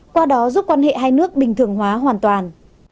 qua đó giúp quan hệ hai nước bình thường hóa hoàn toàn